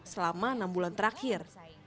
selama enam bulan terakhir